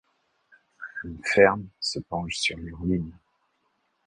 Une ferme se penche sur les ruines.